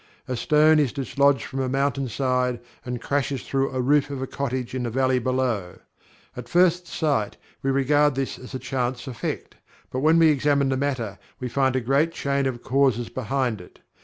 A stone is dislodged from a mountain side and crashes through a roof of a cottage in the valley below. At first sight we regard this as a chance effect, but when we examine the matter we find a great chain of causes behind it.